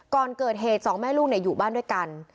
ก่อนเกิดเหตุสองแม่ลูกอยู่บ้านด้วยกัน